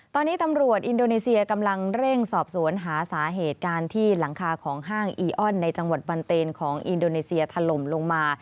ตอนนี้ตำรวจอินโดนีเซียกำลังเร่งสอบสวนหาสาเหตุการที่หลังคาของห้างอีออนในจังหวัดบันเตนของอินโดนีเซียถล่มลงมา